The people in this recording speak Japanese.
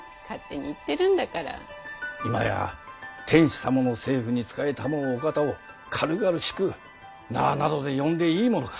今や天子様の政府に仕え給うお方を軽々しく名などで呼んでいいものか。